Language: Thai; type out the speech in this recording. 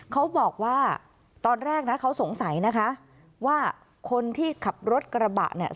เขาบอกว่าตอนแรกนะเขาสงสัยนะคะว่าคนที่ขับรถกระบะเนี่ย